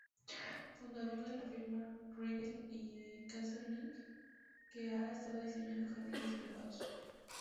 Fundador de la firma "Regel y Kesselring" que ha estado diseñando jardines privados.